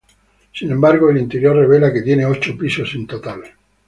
Sin embargo, el interior revela que tiene ocho pisos en total.